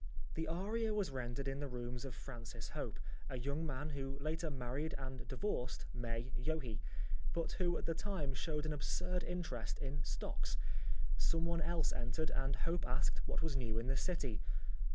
'" The aria was rendered in the rooms of Francis Hope, a young man who later married and divorced May Yohe, but who at the time showed an absurd interest in stocks. Someone else entered and Hope asked what was new in the City.